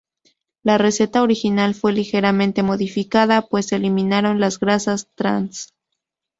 La receta original fue ligeramente modificada, pues se eliminaron las grasas trans.